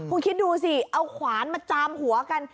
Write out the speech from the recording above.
คุณคิดดูสิเอาขวานมาจามหัวกัน